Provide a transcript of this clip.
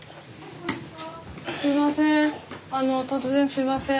すいません。